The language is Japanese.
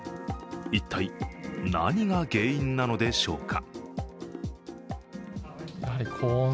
一体、何が原因なのでしょうか。